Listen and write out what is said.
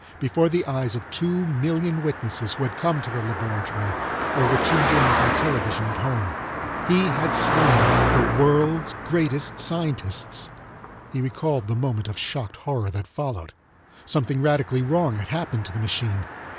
Before the eyes of two million witnesses who had come to the laboratory or were tuned in by television at home! He had slain the world's greatest scientists! He recalled the moment of shocked horror that followed. Something radically wrong had happened to the machine.